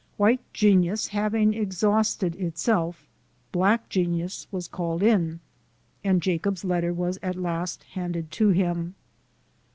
White genius having exhausted itself, black genius was called in, and Jacob's letter was at last handed to him.